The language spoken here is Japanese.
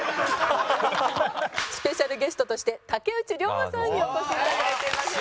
スペシャルゲストとして竹内涼真さんにお越し頂いてます。